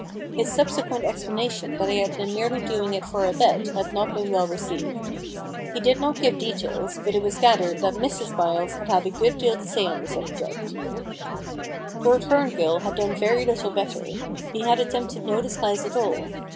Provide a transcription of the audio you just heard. His subsequent explanation that he had merely been doing it for a bet had not been well received. He did not give details, but it was gathered that Mrs Byles had had a good deal to say on the subject. 156 The Impersonation Problem Lord Herngill had done very little better. He had attempted no disguise at all.